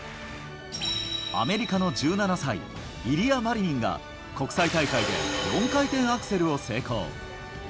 アメリカの１７歳、イリア・マリニンが、国際大会で４回転アクセルを成功。